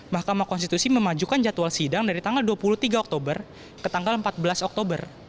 mahkamah konstitusi memajukan jadwal sidang dari tanggal dua puluh tiga oktober ke tanggal empat belas oktober